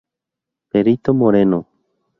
Perito Moreno.